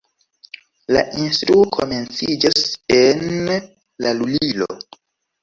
La instruo komenciĝas en la lulilo.